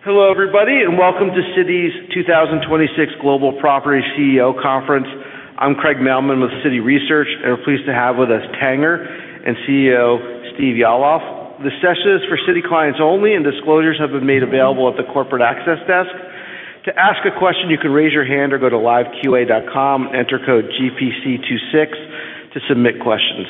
Hello everybody, welcome to Citi's 2026 Global Property CEO Conference. I'm Craig Mailman with Citi Research, and we're pleased to have with us Tanger and CEO Stephen Yalof. This session is for Citi clients only, and disclosures have been made available at the corporate access desk. To ask a question, you can raise your hand or go to liveqa.com, enter code GPC26 to submit questions.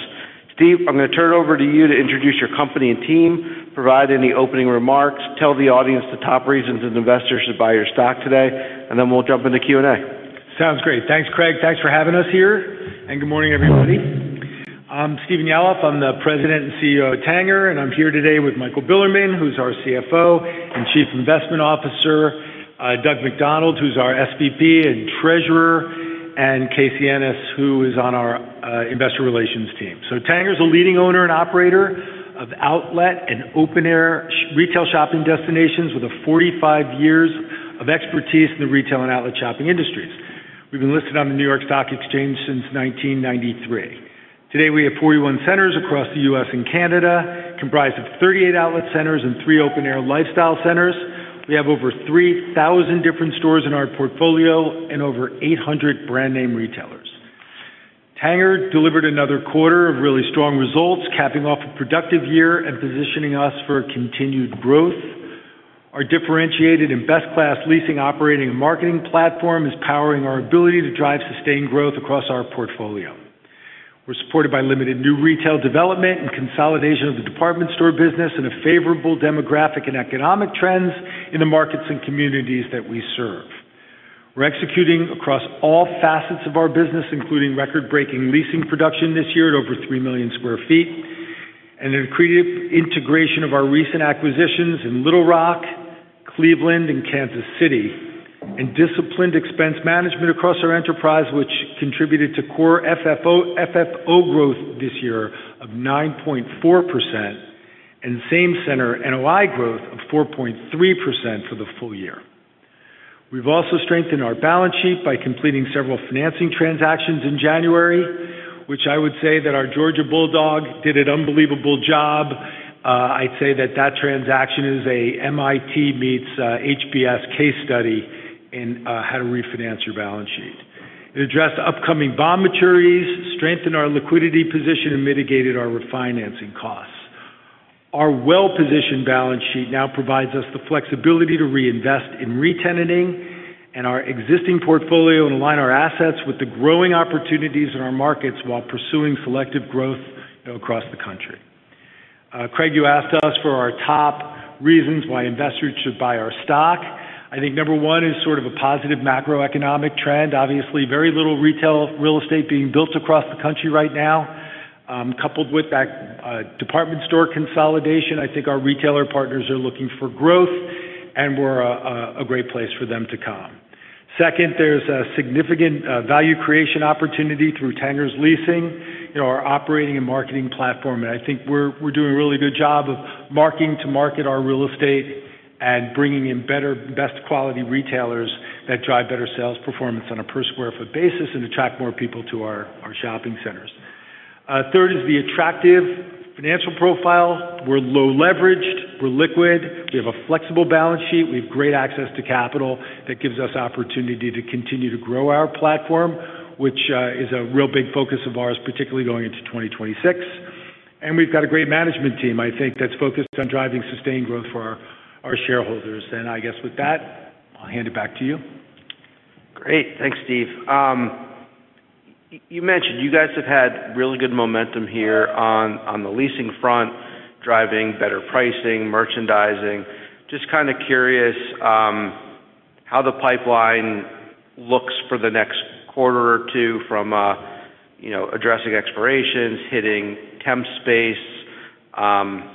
Stephen, I'm gonna turn it over to you to introduce your company and team, provide any opening remarks, tell the audience the top reasons an investor should buy your stock today, and then we'll jump into Q&A. Sounds great. Thanks, Craig. Thanks for having us here. Good morning, everybody. I'm Stephen Yalof. I'm the President and CEO of Tanger, and I'm here today with Michael Bilerman, who's our CFO and Chief Investment Officer, Doug McDonald, who's our SVP and Treasurer, and Ashley Curtis, who is on our investor relations team. Tanger is a leading owner and operator of outlet and open-air retail shopping destinations with 45 years of expertise in the retail and outlet shopping industries. We've been listed on the New York Stock Exchange since 1993. Today, we have 41 centers across the U.S. and Canada, comprised of 38 outlet centers and three open-air lifestyle centers. We have over 3,000 different stores in our portfolio and over 800 brand name retailers. Tanger delivered another quarter of really strong results, capping off a productive year and positioning us for continued growth. Our differentiated and best-class leasing, operating, and marketing platform is powering our ability to drive sustained growth across our portfolio. We're supported by limited new retail development and consolidation of the department store business in a favorable demographic and economic trends in the markets and communities that we serve. We're executing across all facets of our business, including record-breaking leasing production this year at over 3 million sq ft, an accretive integration of our recent acquisitions in Little Rock, Cleveland, and Kansas City. Disciplined expense management across our enterprise, which contributed to core FFO growth this year of 9.4% and Same Center NOI growth of 4.3% for the full year. We've also strengthened our balance sheet by completing several financing transactions in January, which I would say that our Georgia Bulldogs did an unbelievable job. I'd say that that transaction is a MIT meets HBS case study in how to refinance your balance sheet. It addressed upcoming bond maturities, strengthened our liquidity position, and mitigated our refinancing costs. Our well-positioned balance sheet now provides us the flexibility to reinvest in retenanting and our existing portfolio and align our assets with the growing opportunities in our markets while pursuing selective growth across the country. Craig, you asked us for our top reasons why investors should buy our stock. I think number one is sort of a positive macroeconomic trend. Obviously, very little retail real estate being built across the country right now. Coupled with that, department store consolidation, I think our retailer partners are looking for growth, and we're a great place for them to come. Second, there's a significant value creation opportunity through Tanger's leasing. You know, our operating and marketing platform, and I think we're doing a really good job of marketing to market our real estate and bringing in better, best quality retailers that drive better sales performance on a per square foot basis and attract more people to our shopping centers. Third is the attractive financial profile. We're low leveraged, we're liquid, we have a flexible balance sheet, we have great access to capital that gives us opportunity to continue to grow our platform, which is a real big focus of ours, particularly going into 2026. We've got a great management team, I think, that's focused on driving sustained growth for our shareholders. I guess with that, I'll hand it back to you. Great. Thanks, Stephen. You mentioned you guys have had really good momentum here on the leasing front, driving better pricing, merchandising. Just kind of curious how the pipeline looks for the next quarter or two from, you know, addressing expirations, hitting temp space, and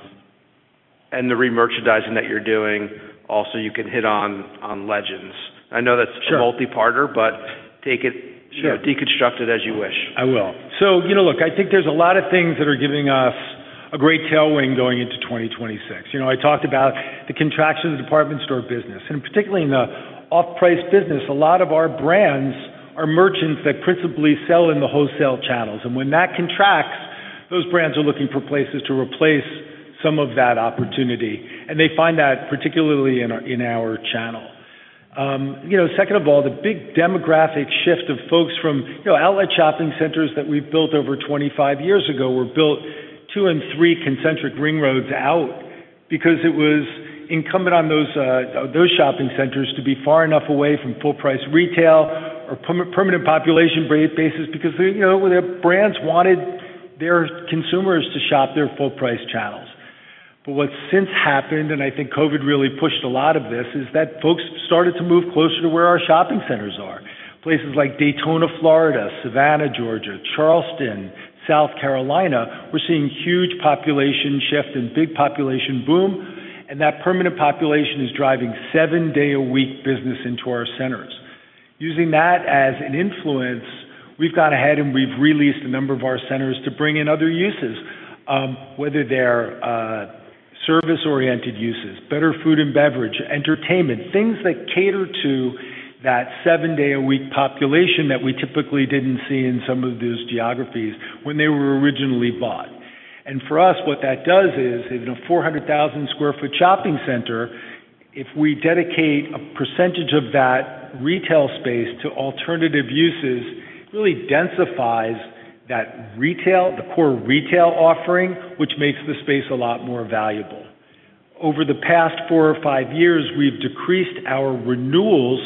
the remerchandising that you're doing? Also, you can hit on Legends. I know that's a multi-parter, but take it, deconstruct it as you wish. I will. You know, look, I think there's a lot of things that are giving us a great tailwind going into 2026. You know, I talked about the contraction of the department store business. Particularly in the off-price business, a lot of our brands are merchants that principally sell in the wholesale channels. When that contracts, those brands are looking for places to replace some of that opportunity. They find that particularly in our, in our channel. You know, second of all, the big demographic shift of folks from, you know, outlet shopping centers that we've built over 25 years ago were built two and three concentric ring roads out because it was incumbent on those shopping centers to be far enough away from full price retail or permanent population bases because, you know, the brands wanted their consumers to shop their full price channels. What's since happened, and I think COVID really pushed a lot of this, is that folks started to move closer to where our shopping centers are. Places like Daytona, Florida, Savannah, Georgia, Charleston, South Carolina. We're seeing huge population shift and big population boom, and that permanent population is driving seven day a week business into our centers. Using that as an influence, we've gone ahead and we've re-leased a number of our centers to bring in other uses. whether they're service-oriented uses, better food and beverage, entertainment, things that cater to that seven day a week population that we typically didn't see in some of those geographies when they were originally bought. For us, what that does is in a 400,000 sq ft shopping center, if we dedicate a percentage of that retail space to alternative uses, really densifies that retail, the core retail offering, which makes the space a lot more valuable. Over the past four or five years, we've decreased our renewals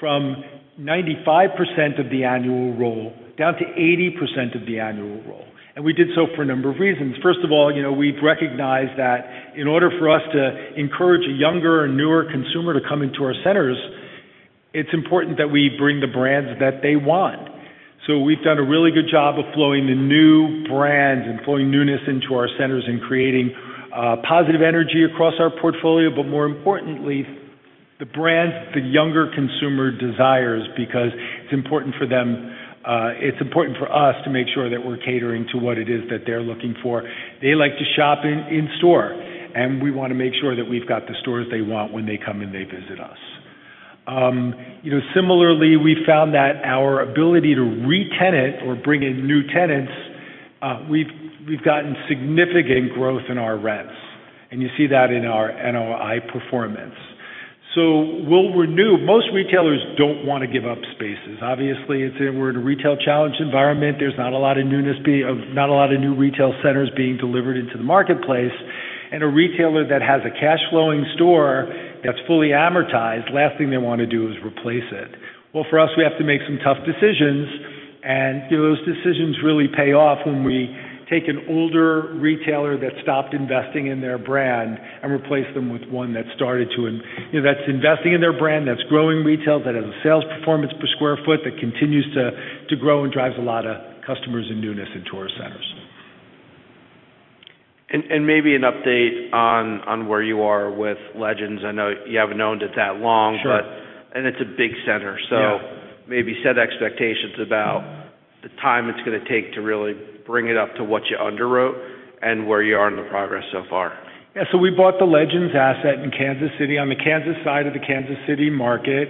from 95% of the annual roll down to 80% of the annual roll. We did so for a number of reasons. First of all, you know, we've recognized that in order for us to encourage a younger and newer consumer to come into our centers, it's important that we bring the brands that they want. We've done a really good job of flowing the new brands and flowing newness into our centers and creating positive energy across our portfolio, but more importantly, the brands the younger consumer desires, because it's important for them, it's important for us to make sure that we're catering to what it is that they're looking for. They like to shop in store, and we wanna make sure that we've got the stores they want when they come and they visit us. You know, similarly, we found that our ability to retenant or bring in new tenants, we've gotten significant growth in our rents, and you see that in our NOI performance. We'll renew. Most retailers don't wanna give up spaces. Obviously, we're in a retail challenged environment. There's not a lot of newness, not a lot of new retail centers being delivered into the marketplace. A retailer that has a cash flowing store that's fully amortized, last thing they wanna do is replace it. Well, for us, we have to make some tough decisions, and, you know, those decisions really pay off when we take an older retailer that stopped investing in their brand and replace them with one that and, you know, that's investing in their brand, that's growing retail, that has a sales performance per square foot, that continues to grow and drives a lot of customers and newness into our centers. Maybe an update on where you are with Legends. I know you haven't owned it that long. It's a big center. Maybe set expectations about the time it's gonna take to really bring it up to what you underwrote and where you are in the progress so far. We bought the Legends asset in Kansas City on the Kansas side of the Kansas City market.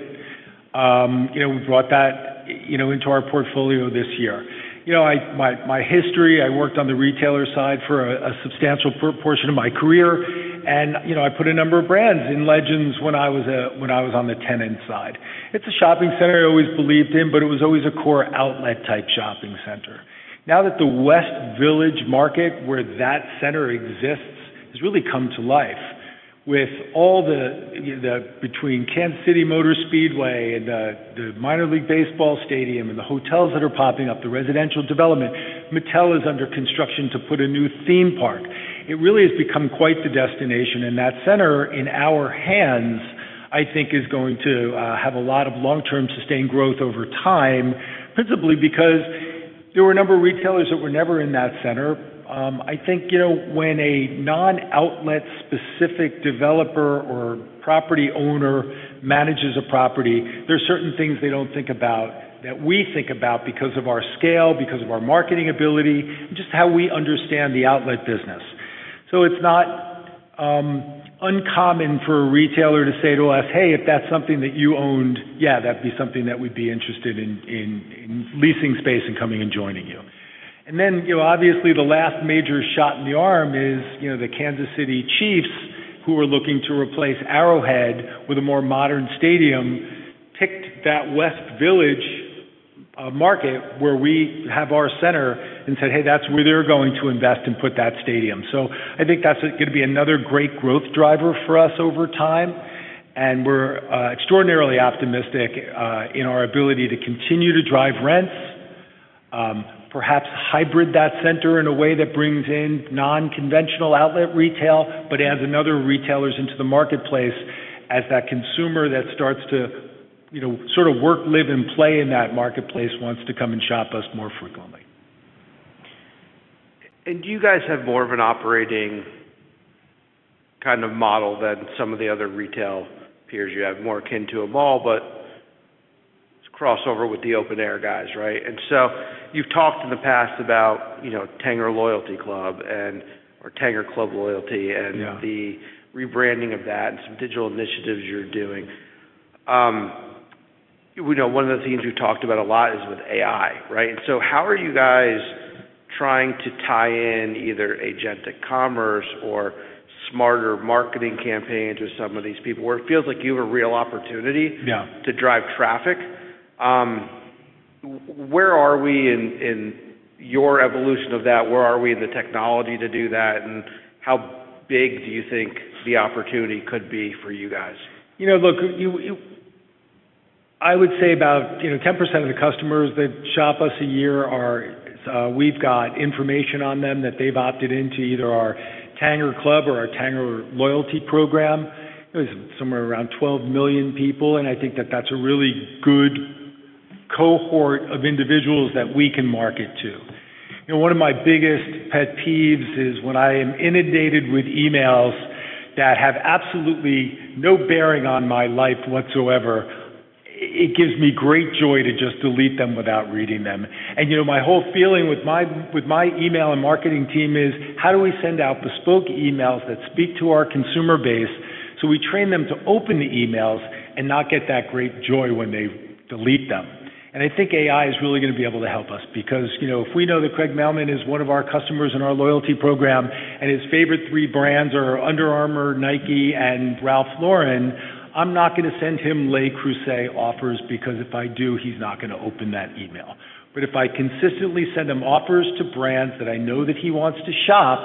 You know, we brought that, you know, into our portfolio this year. My history, I worked on the retailer side for a substantial portion of my career, and, you know, I put a number of brands in Legends when I was on the tenant side. It's a shopping center I always believed in, but it was always a core outlet type shopping center. Now that the Village West market where that center exists has really come to life with all the, you know, between Kansas Speedway and the Minor League Baseball stadium and the hotels that are popping up, the residential development, Mattel is under construction to put a new theme park. It really has become quite the destination. That center in our hands, I think is going to have a lot of long-term sustained growth over time, principally because there were a number of retailers that were never in that center. I think, you know, when a non-outlet specific developer or property owner manages a property, there are certain things they don't think about that we think about because of our scale, because of our marketing ability, and just how we understand the outlet business. It's not uncommon for a retailer to say to us, "Hey, if that's something that you owned, yeah, that'd be something that we'd be interested in leasing space and coming and joining you." You know, obviously the last major shot in the arm is, you know, the Kansas City Chiefs who are looking to replace Arrowhead with a more modern stadium, picked that Village West market where we have our center and said, "Hey, that's where they're going to invest and put that stadium." I think that's gonna be another great growth driver for us over time, and we're extraordinarily optimistic in our ability to continue to drive rents, perhaps hybrid that center in a way that brings in non-conventional outlet retail, but adds another retailers into the marketplace as that consumer that starts to, you know, sort of work, live, and play in that marketplace wants to come and shop us more frequently. Do you guys have more of an operating kind of model than some of the other retail peers? You have more akin to a mall, but it's crossover with the open air guys, right? You've talked in the past about, you know, TangerClub Loyalty. The rebranding of that and some digital initiatives you're doing. You know, one of the themes you talked about a lot is with AI, right? How are you guys trying to tie in either Agentic Commerce or smarter marketing campaigns with some of these people where it feels like you have a real opportunity to drive traffic. Where are we in your evolution of that? Where are we in the technology to do that? How big do you think the opportunity could be for you guys? You know, look, you I would say about, you know, 10% of the customers that shop us a year, we've got information on them that they've opted into either our TangerClub or our Tanger Loyalty program. It was somewhere around 12 million people. I think that that's a really good cohort of individuals that we can market to. You know, one of my biggest pet peeves is when I am inundated with emails that have absolutely no bearing on my life whatsoever. It gives me great joy to just delete them without reading them. You know, my whole feeling with my email and marketing team is: How do we send out bespoke emails that speak to our consumer base. So we train them to open the emails and not get that great joy when they delete them. I think AI is really gonna be able to help us because, you know, if we know that Craig Mailman is one of our customers in our loyalty program, and his favorite three brands are Under Armour, Nike, and Ralph Lauren, I'm not gonna send him Le Creuset offers because if I do, he's not gonna open that email. If I consistently send him offers to brands that I know that he wants to shop,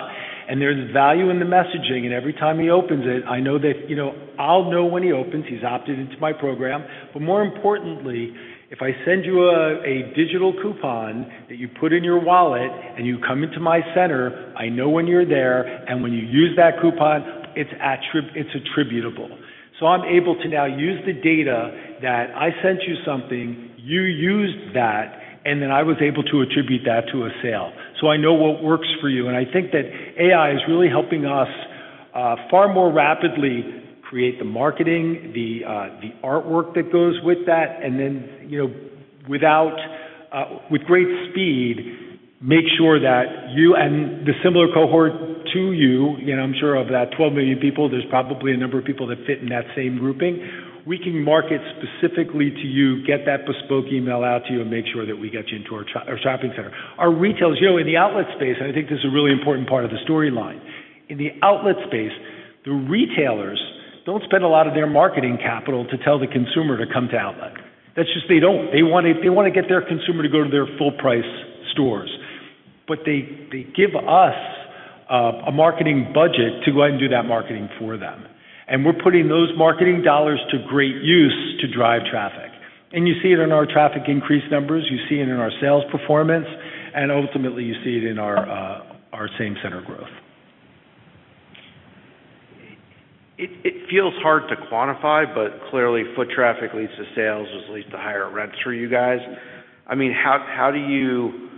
and there's value in the messaging, and every time he opens it, I know that, you know, I'll know when he opens, he's opted into my program. More importantly, if I send you a digital coupon that you put in your wallet and you come into my center, I know when you're there, and when you use that coupon, it's attributable. I'm able to now use the data that I sent you something, you used that, and then I was able to attribute that to a sale. I know what works for you. I think that AI is really helping us far more rapidly create the marketing, the artwork that goes with that, and then, you know, with great speed, make sure that you and the similar cohort to you know, I'm sure of that 12 million people, there's probably a number of people that fit in that same grouping. We can market specifically to you, get that bespoke email out to you, and make sure that we get you into our shopping center. Our retailers... You know, in the outlet space, and I think this is a really important part of the storyline. In the outlet space, the retailers don't spend a lot of their marketing capital to tell the consumer to come to outlet. That's just they don't. They wanna get their consumer to go to their full-price stores. They give us a marketing budget to go out and do that marketing for them. We're putting those marketing dollars to great use to drive traffic. You see it in our traffic increase numbers, you see it in our sales performance, and ultimately, you see it in our same center growth. It feels hard to quantify, but clearly foot traffic leads to sales, which leads to higher rents for you guys. I mean, how do you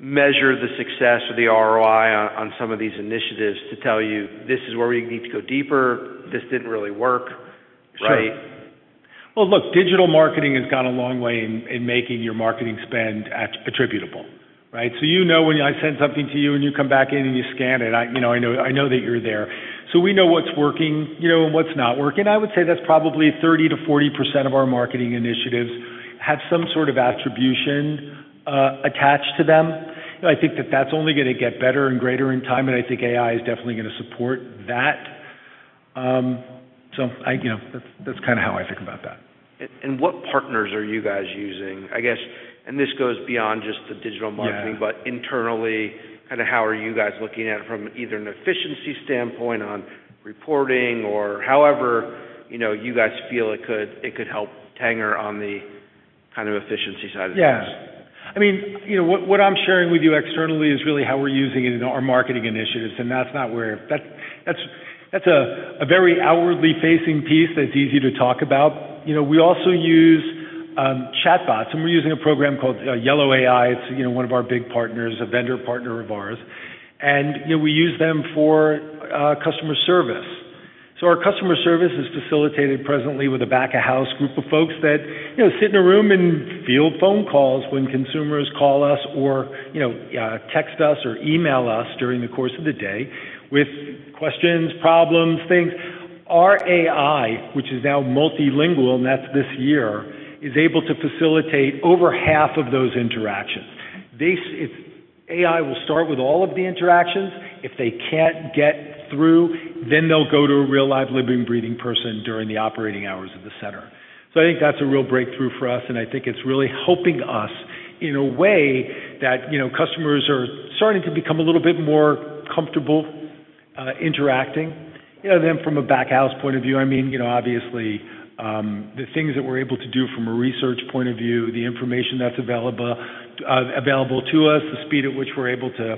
measure the success of the ROI on some of these initiatives to tell you this is where we need to go deeper, this didn't really work right? Well, look, digital marketing has gone a long way in making your marketing spend attributable, right? You know when I send something to you and you come back in and you scan it, I know that you're there. We know what's working, you know, and what's not working. I would say that's probably 30%-40% of our marketing initiatives have some sort of attribution attached to them. You know, I think that that's only gonna get better and greater in time, and I think AI is definitely gonna support that. You know, that's kinda how I think about that. What partners are you guys using? I guess, this goes beyond just the digital marketing. Internally, kind of how are you guys looking at it from either an efficiency standpoint on reporting or however, you know, you guys feel it could, it could help Tanger on the kind of efficiency side of things? Yeah. I mean, you know, what I'm sharing with you externally is really how we're using it in our marketing initiatives, and that's not where. That's a very outwardly facing piece that's easy to talk about. You know, we also use chatbots, and we're using a program called Yellow.ai. It's, you know, one of our big partners, a vendor partner of ours. You know, we use them for customer service. Our customer service is facilitated presently with a back-of-house group of folks that, you know, sit in a room and field phone calls when consumers call us or, you know, text us or email us during the course of the day with questions, problems, things. Our AI, which is now multilingual, and that's this year, is able to facilitate over half of those interactions. This, If AI will start with all of the interactions, if they can't get through, then they'll go to a real live, living, breathing person during the operating hours of the center. I think that's a real breakthrough for us, and I think it's really helping us in a way that, you know, customers are starting to become a little bit more comfortable, interacting. From a back-house point of view, I mean, you know, obviously, the things that we're able to do from a research point of view, the information that's available to us, the speed at which we're able to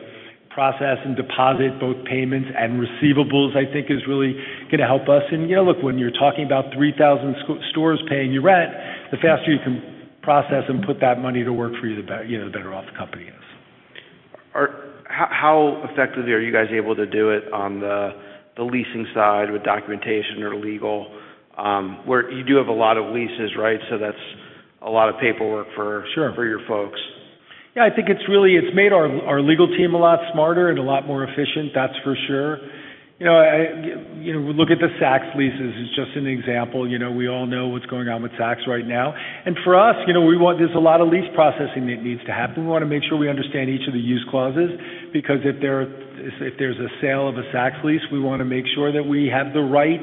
process and deposit both payments and receivables, I think is really gonna help us. You know, look, when you're talking about 3,000 stores paying you rent, the faster you can process and put that money to work for you know, the better off the company is. How effective are you guys able to do it on the leasing side with documentation or legal? Where you do have a lot of leases, right? That's a lot of paperwork for your folks. Yeah. I think it's made our legal team a lot smarter and a lot more efficient, that's for sure. You know, I, you know, look at the Saks leases as just an example. You know, we all know what's going on with Saks right now. For us, you know, there's a lot of lease processing that needs to happen. We wanna make sure we understand each of the use clauses because if there's a sale of a Saks lease, we wanna make sure that we have the right.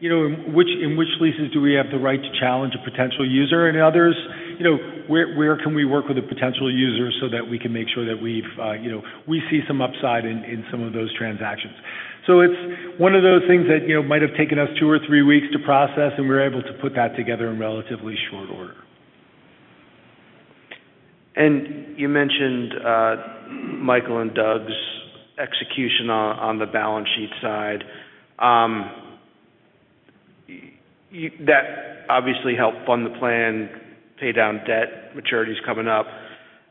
You know, in which leases do we have the right to challenge a potential user and others? You know, where can we work with a potential user so that we can make sure that we've, you know, we see some upside in some of those transactions. It's one of those things that, you know, might have taken us two or three weeks to process, and we're able to put that together in relatively short order. You mentioned Michael and Doug's execution on the balance sheet side. That obviously helped fund the plan, pay down debt, maturity's coming up.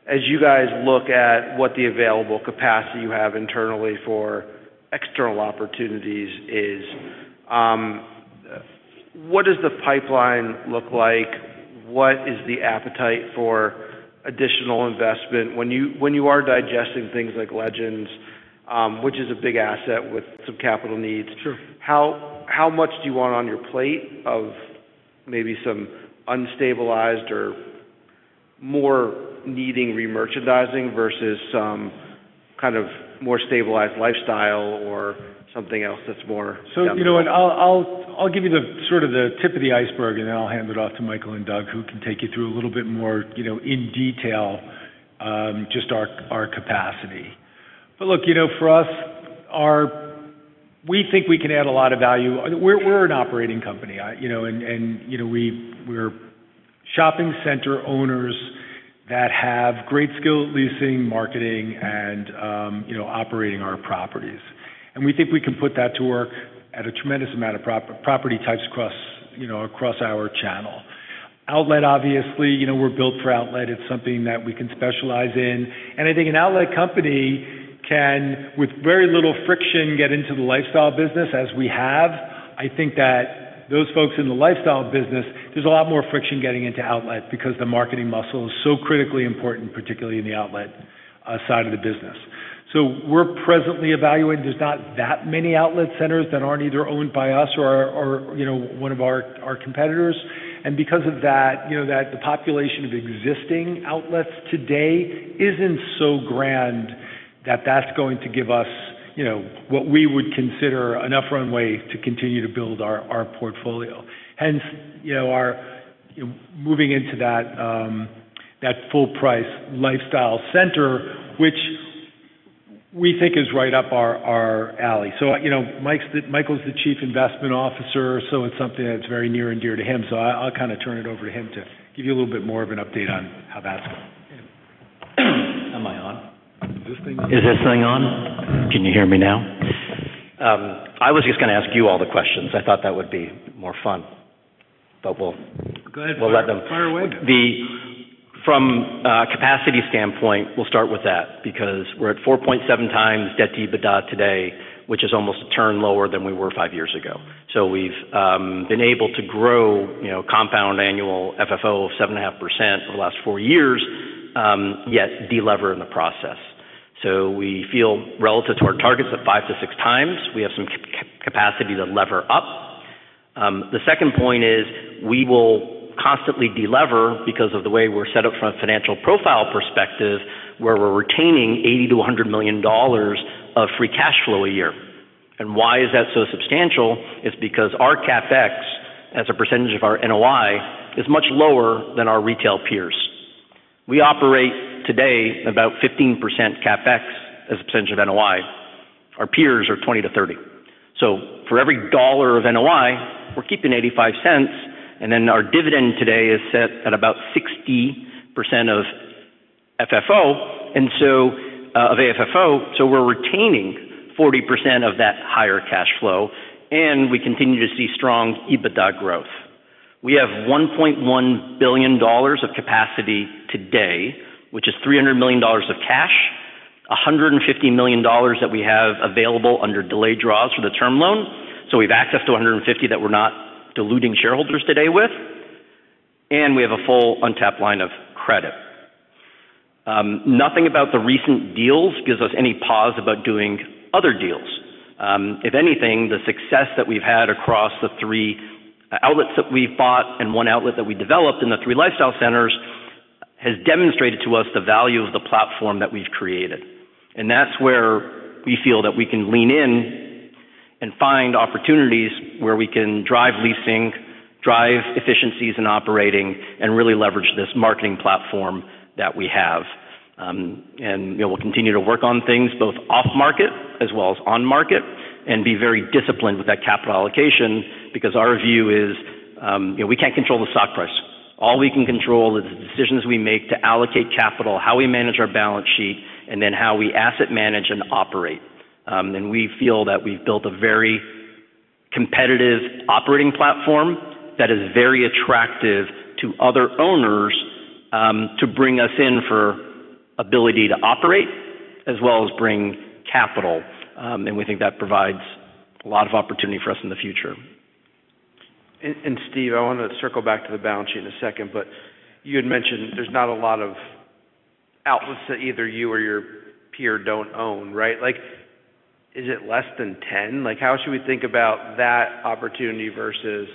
As you guys look at what the available capacity you have internally for external opportunities is, what does the pipeline look like? What is the appetite for additional investment? When you are digesting things like Legends, which is a big asset with some capital needs? How much do you want on your plate of maybe some unstabilized or more needing remerchandising versus some kind of more stabilized lifestyle or something else that's. You know what, I'll give you the sort of the tip of the iceberg, then I'll hand it off to Michael and Doug, who can take you through a little bit more, you know, in detail, just our capacity. Look, you know, for us, we think we can add a lot of value. We're an operating company. I, you know, and, you know, we're shopping center owners that have great skill at leasing, marketing, and, you know, operating our properties. We think we can put that to work at a tremendous amount of property types across, you know, across our channel. Outlet, obviously, you know, we're built for outlet. It's something that we can specialize in. I think an outlet company can, with very little friction, get into the lifestyle business as we have. I think that those folks in the lifestyle business, there's a lot more friction getting into outlet because the marketing muscle is so critically important, particularly in the outlet side of the business. We're presently evaluating. There's not that many outlet centers that aren't either owned by us or, you know, one of our competitors. Because of that, you know, the population of existing outlets today isn't so grand that that's going to give us, you know, what we would consider enough runway to continue to build our portfolio. Hence, you know, our, you know, moving into that full-price lifestyle center, which we think is right up our alley. You know, Michael's the Chief Investment Officer, so it's something that's very near and dear to him. I'll kind of turn it over to him to give you a little bit more of an update on how that's going. Am I on? Is this thing on? Can you hear me now? I was just gonna ask you all the questions. I thought that would be more fun. Go ahead. We'll let them-. Fire away then. From a capacity standpoint, we'll start with that because we're at 4.7x Debt-to-EBITDA today, which is almost a turn lower than we were five years ago. We've been able to grow, you know, compound annual FFO of 7.5% for the last four years, yet delever in the process. We feel relative to our targets of 5x-6x, we have some capacity to lever up. The second point is we will constantly delever because of the way we're set up from a financial profile perspective, where we're retaining $80 million-$100 million of free cash flow a year. Why is that so substantial? It's because our CapEx, as a percentage of our NOI, is much lower than our retail peers. We operate today about 15% CapEx as a percentage of NOI. Our peers are 20%-30%. For every $ of NOI, we're keeping $0.85. Our dividend today is set at about 60% of FFO. Of AFFO, we're retaining 40% of that higher cash flow. We continue to see strong EBITDA growth. We have $1.1 billion of capacity today, which is $300 million of cash, $150 million that we have available under delayed draws for the term loan. We have access to $150 that we're not diluting shareholders today with. We have a full untapped line of credit. Nothing about the recent deals gives us any pause about doing other deals. If anything, the success that we've had across the three outlets that we've bought and one outlet that we developed in the three lifestyle centers has demonstrated to us the value of the platform that we've created. That's where we feel that we can lean in and find opportunities where we can drive leasing, drive efficiencies in operating, and really leverage this marketing platform that we have. You know, we'll continue to work on things both off-market as well as on-market and be very disciplined with that capital allocation because our view is, you know, we can't control the stock price. All we can control is the decisions we make to allocate capital, how we manage our balance sheet, and then how we asset manage and operate. We feel that we've built a very competitive operating platform that is very attractive to other owners, to bring us in for ability to operate as well as bring capital. We think that provides a lot of opportunity for us in the future. Stephen, I want to circle back to the balance sheet in a second, but you had mentioned there's not a lot of outlets that either you or your peer don't own, right? Like, is it less than 10? Like, how should we think about that opportunity versus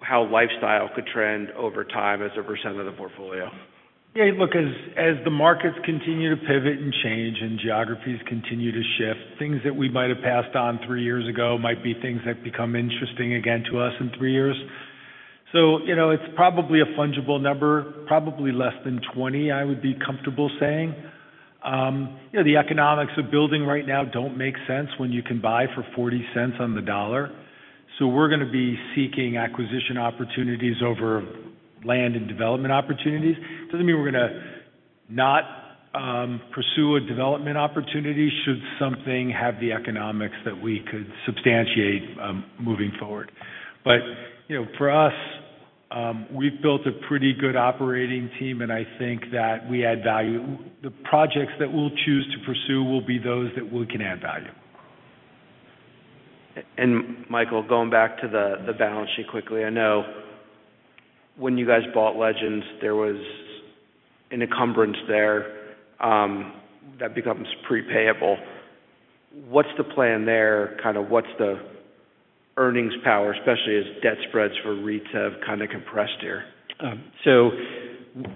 how lifestyle could trend over time as a percent of the portfolio? Yeah, look, as the markets continue to pivot and change and geographies continue to shift, things that we might have passed on three years ago might be things that become interesting again to us in three years. You know, it's probably a fungible number, probably less than 20, I would be comfortable saying. You know, the economics of building right now don't make sense when you can buy for 40 cents on the dollar. We're gonna be seeking acquisition opportunities over land and development opportunities. Doesn't mean we're gonna not pursue a development opportunity should something have the economics that we could substantiate moving forward. You know, for us. We've built a pretty good operating team, and I think that we add value. The projects that we'll choose to pursue will be those that we can add value. Michael, going back to the balance sheet quickly. I know when you guys bought Legends, there was an encumbrance there that becomes pre-payable. What's the plan there? Kind of what's the earnings power, especially as debt spreads for REITs have kind of compressed here?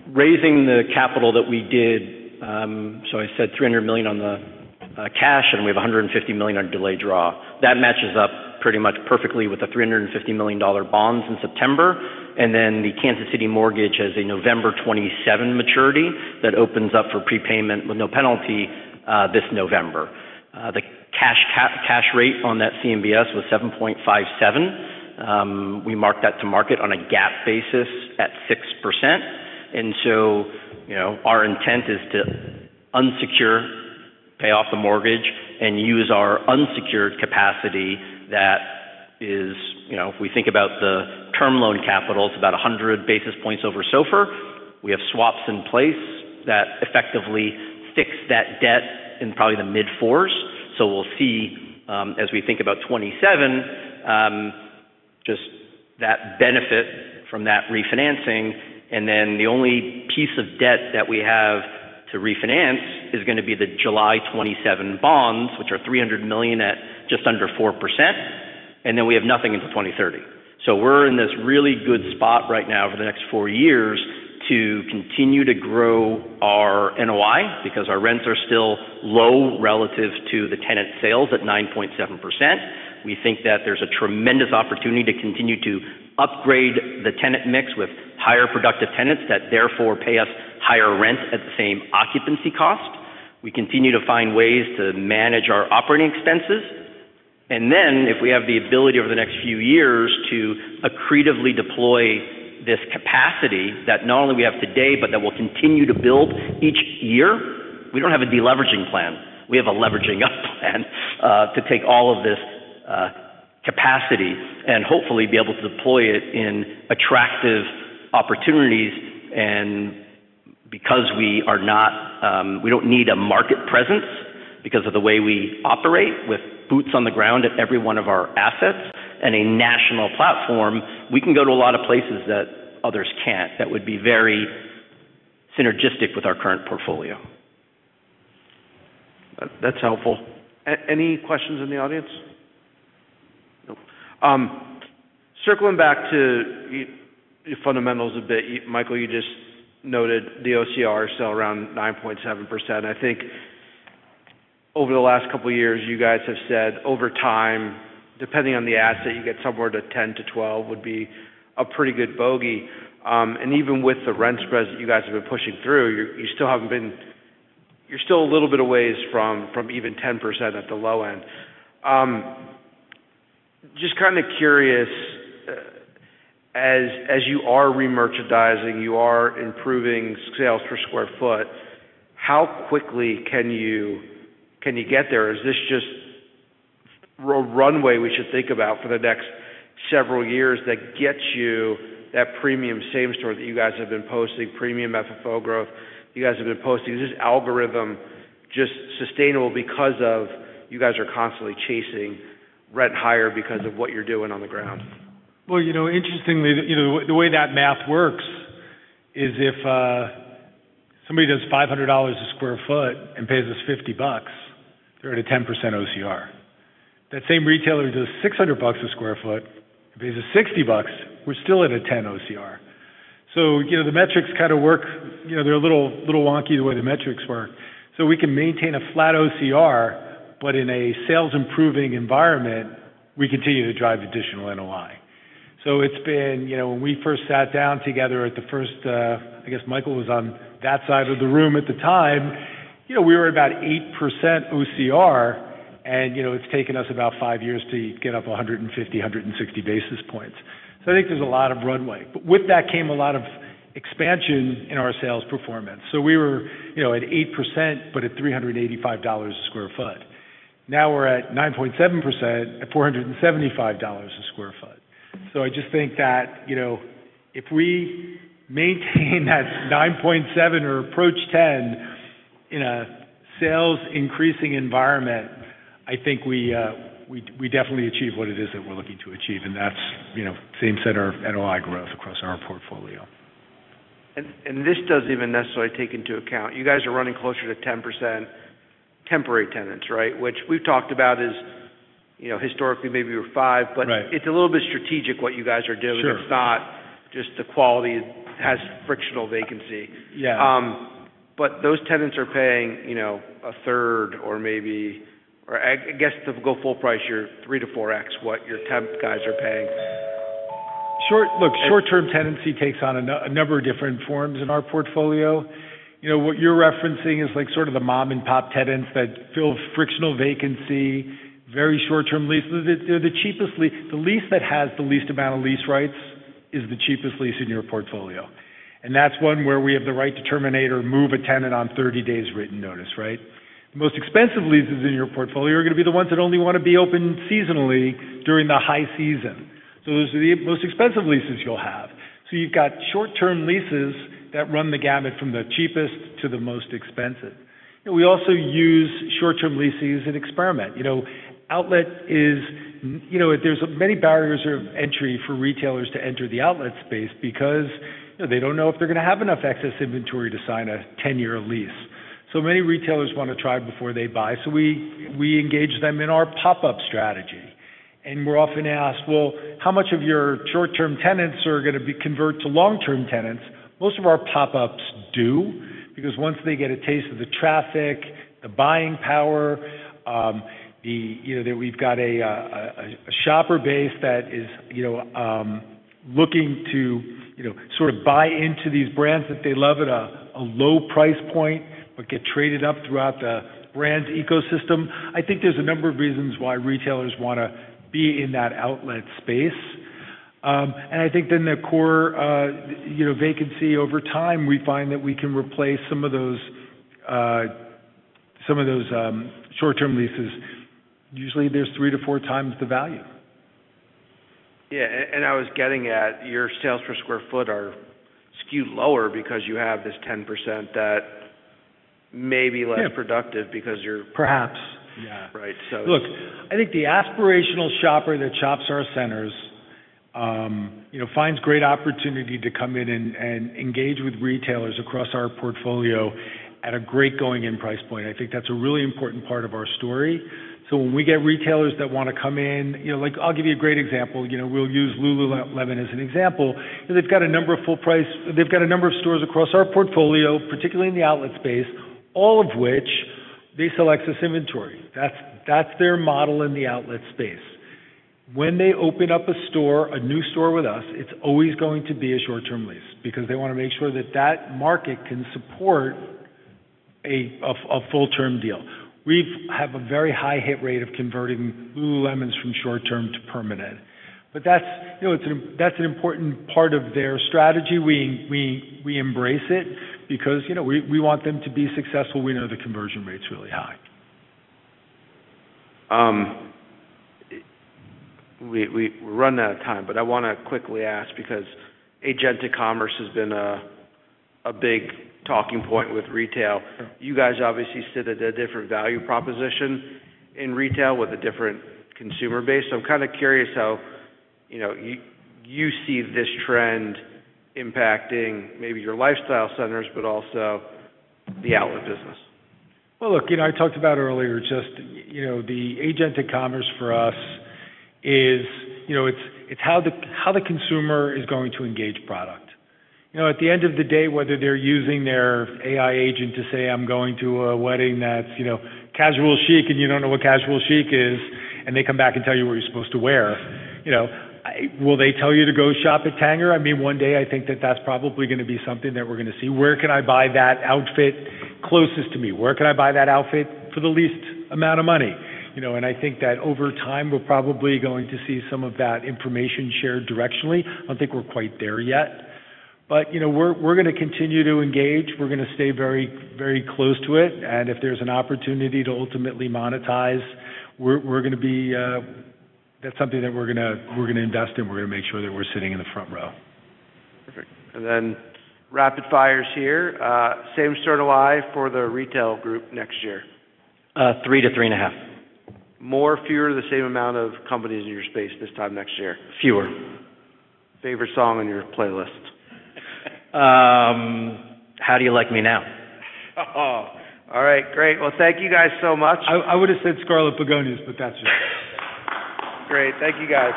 Raising the capital that we did, I said $300 million on the cash, and we have $150 million on delayed draw. That matches up pretty much perfectly with the $350 million bonds in September. The Kansas City mortgage has a November 27 maturity that opens up for prepayment with no penalty this November. The cash rate on that CMBS was 7.57. We marked that to market on a GAAP basis at 6%. You know, our intent is to unsecure, pay off the mortgage, and use our unsecured capacity that is, you know, if we think about the term loan capital, it's about 100 basis points over SOFR. We have swaps in place that effectively fix that debt in probably the mid-4s. We'll see, as we think about 2027, just that benefit from that refinancing. The only piece of debt that we have to refinance is gonna be the July 2027 bonds, which are $300 million at just under 4%. We have nothing until 2030. We're in this really good spot right now over the next four years to continue to grow our NOI because our rents are still low relative to the tenant sales at 9.7%. We think that there's a tremendous opportunity to continue to upgrade the tenant mix with higher productive tenants that therefore pay us higher rents at the same occupancy cost. We continue to find ways to manage our operating expenses. If we have the ability over the next few years to accretively deploy this capacity that not only we have today, but that we'll continue to build each year, we don't have a deleveraging plan. We have a leveraging up plan, to take all of this capacity and hopefully be able to deploy it in attractive opportunities. Because we are not, we don't need a market presence because of the way we operate with boots on the ground at every one of our assets and a national platform, we can go to a lot of places that others can't that would be very synergistic with our current portfolio. That's helpful. Any questions in the audience? No. Circling back to your fundamentals a bit, Michael, you just noted the OCR is still around 9.7%. I think over the last couple of years, you guys have said over time, depending on the asset, you get somewhere to 10-12 would be a pretty good bogey. Even with the rent spreads that you guys have been pushing through, you're still a little bit a ways from even 10% at the low end. Just kind of curious, as you are remerchandising, you are improving sales per square foot, how quickly can you get there? Is this just runway we should think about for the next several years that gets you that premium same store that you guys have been posting, premium FFO growth you guys have been posting? Is this algorithm just sustainable because of you guys are constantly chasing rent higher because of what you're doing on the ground? You know, interestingly, you know, the way that math works is if somebody does $500 a square foot and pays us $50, they're at a 10% OCR. That same retailer does $600 a square foot and pays us $60, we're still at a 10 OCR. You know, the metrics kind of work. You know, they're a little wonky the way the metrics work. We can maintain a flat OCR, but in a sales improving environment, we continue to drive additional NOI. It's been, you know, when we first sat down together at the first, I guess Michael was on that side of the room at the time, you know, we were at about 8% OCR and, you know, it's taken us about five years to get up 150-160 basis points. I think there's a lot of runway. With that came a lot of expansion in our sales performance. We were, you know, at 8%, but at $385 a sq ft. Now we're at 9.7% at $475 a sq ft. I just think that, you know, if we maintain that 9.7 or approach 10 in a sales increasing environment, I think we definitely achieve what it is that we're looking to achieve, and that's, you know, Same Center NOI growth across our portfolio. This doesn't even necessarily take into account. You guys are running closer to 10% temporary tenants, right? Which we've talked about is, you know, historically, maybe you were five. It's a little bit strategic what you guys are doing. It's not just the quality has frictional vacancy. Those tenants are paying, you know, a third or I guess to go full price, you're 3 to 4x what your temp guys are paying. Look, short-term tenancy takes on a number of different forms in our portfolio. You know, what you're referencing is, like, sort of the mom and pop tenants that fill frictional vacancy, very short-term leases. They're the cheapest. The lease that has the least amount of lease rights is the cheapest lease in your portfolio. That's one where we have the right to terminate or move a tenant on 30 days written notice, right? The most expensive leases in your portfolio are gonna be the ones that only wanna be open seasonally during the high season. Those are the most expensive leases you'll have. You've got short-term leases that run the gamut from the cheapest to the most expensive. We also use short-term leases and experiment. You know, outlet is... You know, there's many barriers of entry for retailers to enter the outlet space because, you know, they don't know if they're gonna have enough excess inventory to sign a 10-year lease. Many retailers wanna try before they buy, so we engage them in our pop-up strategy. We're often asked, "Well, how much of your short-term tenants are gonna convert to long-term tenants?" Most of our pop-ups do, because once they get a taste of the traffic, the buying power, the... You know, that we've got a, a shopper base that is, you know, looking to, sort of buy into these brands that they love at a low price point, but get traded up throughout the brand's ecosystem. I think there's a number of reasons why retailers wanna be in that outlet space. I think then the core, you know, vacancy over time, we find that we can replace some of those, some of those, short-term leases. Usually, there's three to four times the value. Yeah. I was getting at your sales per square foot are skewed lower because you have this 10% that. maybe less productive. Look, I think the aspirational shopper that shops our centers, you know, finds great opportunity to come in and engage with retailers across our portfolio at a great going-in price point. I think that's a really important part of our story. When we get retailers that wanna come in, you know, like, I'll give you a great example. You know, we'll use Lululemon as an example. They've got a number of stores across our portfolio, particularly in the outlet space, all of which they sell excess inventory. That's their model in the outlet space. When they open up a store, a new store with us, it's always going to be a short-term lease because they wanna make sure that that market can support a full-term deal. We have a very high hit rate of converting Lululemons from short-term to permanent. That's, you know, that's an important part of their strategy. We embrace it because, you know, we want them to be successful. We know the conversion rate's really high. We're running out of time, but I wanna quickly ask because Agentic Commerce has been a big talking point with retail. You guys obviously sit at a different value proposition in retail with a different consumer base. I'm kind of curious how, you know, you see this trend impacting maybe your lifestyle centers, but also the outlet business. Look, you know, I talked about earlier just, you know, the Agentic Commerce for us is, you know, it's how the consumer is going to engage product. You know, at the end of the day, whether they're using their AI agent to say, "I'm going to a wedding that's, you know, casual chic," and you don't know what casual chic is, and they come back and tell you what you're supposed to wear. You know, will they tell you to go shop at Tanger? I mean, one day, I think that that's probably gonna be something that we're gonna see. Where can I buy that outfit closest to me? Where can I buy that outfit for the least amount of money? You know, I think that over time, we're probably going to see some of that information shared directionally. I don't think we're quite there yet. You know, we're gonna continue to engage. We're gonna stay very, very close to it. If there's an opportunity to ultimately monetize, we're gonna be... That's something that we're gonna invest in. We're gonna make sure that we're sitting in the front row. Perfect. Rapid fires here. Same store live for the retail group next year. Three to three and a half. More, fewer, the same amount of companies in your space this time next year? Fewer. Favorite song on your playlist? How Do You Like Me Now?! All right, great. Well, thank you guys so much. I would've said Scarlet Begonias, but that's it. Great. Thank you, guys.